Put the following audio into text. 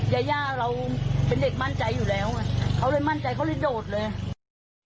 ยาย่าเราเป็นเด็กมั่นใจอยู่แล้วไงเขาเลยมั่นใจเขาเลยโดดเลย